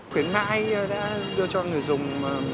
khuyến mại đã đưa cho người dùng